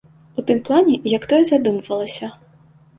У тым плане, як тое задумвалася.